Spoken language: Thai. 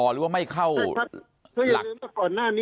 หรือว่าไม่เข้าหลัก